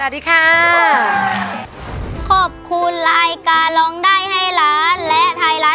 สวัสดีครับ